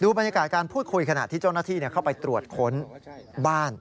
บรรยากาศการพูดคุยขณะที่เจ้าหน้าที่เข้าไปตรวจค้นบ้าน